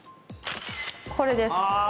これです。